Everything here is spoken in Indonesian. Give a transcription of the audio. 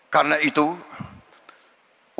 karena itu untuk kita menjadi negara makmur